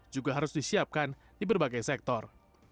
juga harus disiapkan di berbagai sektor